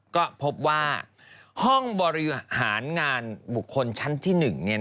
ก็พบว่าห้องบริหารงานบุคคลชั้นที่๑